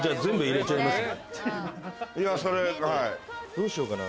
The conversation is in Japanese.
どうしようかな。